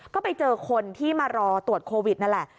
ก็ไปเจอคนที่มารอตรวจโควิดนั่นแหละ